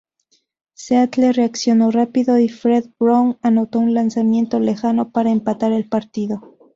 Seattle reaccionó rápido, y Fred Brown anotó un lanzamiento lejano para empatar el partido.